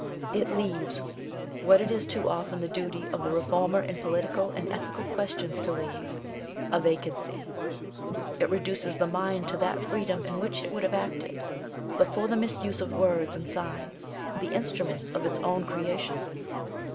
It leaves, what it is too often the duty of the reformer in political and ethical questions to leave, a vacancy. It reduces the mind to that freedom in which it would have acted, but for the misuse of words and signs, the instruments of its own creation.